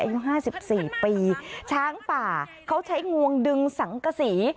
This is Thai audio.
อายุ๕๔ปีช้างป่าเขาใช้งวงดึงสังกษี